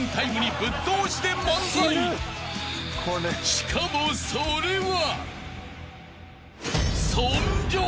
［しかもそれは］